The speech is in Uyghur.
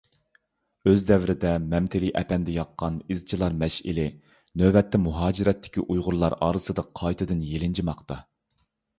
ئۆز دەۋرىدە مەمتىلى ئەپەندى ياققان «ئىزچىلار مەشئىلى» نۆۋەتتە مۇھاجىرەتتىكى ئۇيغۇرلار ئارىسىدا قايتىدىن يېلىنجىماقتا.